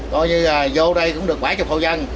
coi như là vô đây cũng được bảy chục thô dân